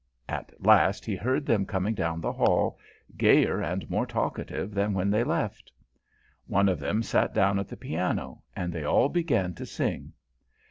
At last he heard them coming down the hall, gayer and more talkative than when they left. One of them sat down at the piano, and they all began to sing.